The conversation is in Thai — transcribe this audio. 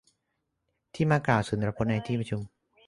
ที่มากล่าวสุนทรพจน์ในที่ประชุม